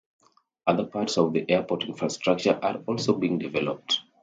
Other parts of the airport infrastructure are also being developed.